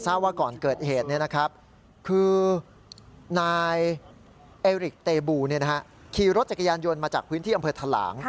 ว่าก่อนเกิดเหตุคือนายเอริกเตบูขี่รถจักรยานยนต์มาจากพื้นที่อำเภอทะหลาง